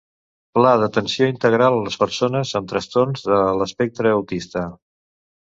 Pla d'atenció integral a les persones amb Trastorns de l'Espectre Autista.